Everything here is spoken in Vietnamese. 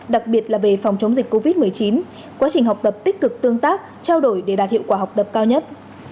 đặc biệt là về phòng chống dịch covid một mươi chín quá trình học tập tích cực tương tác trao đổi để đạt hiệu quả học tập cao nhất